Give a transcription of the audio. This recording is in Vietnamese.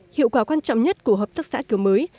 hiệu quả quan trọng nhất của hợp tác xã kiểu mới